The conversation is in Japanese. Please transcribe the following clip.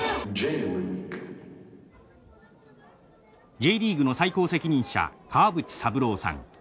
Ｊリーグの最高責任者川淵三郎さん。